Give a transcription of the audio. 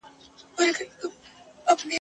چي له لیري یې خوني پړانګ سو تر سترګو !.